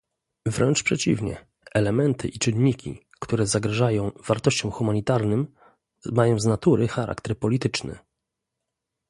Wręcz przeciwnie, elementy i czynniki, które zagrażają wartościom humanitarnym, mają z natury charakter polityczny